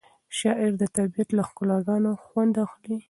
شاعر د طبیعت له ښکلاګانو خوند اخلي.